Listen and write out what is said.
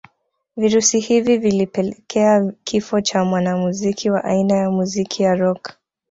Virusi hivi vilipelekea kifo cha mwanamuziki wa aina ya muziki wa rock